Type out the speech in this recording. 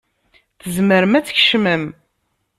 Tzemrem ad tkecmem.